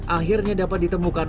akhirnya dapat ditemukan